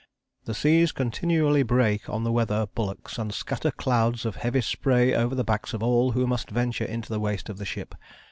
"The seas continually break on the weather bulwarks and scatter clouds of heavy spray over the backs of all who must venture into the waist of the ship.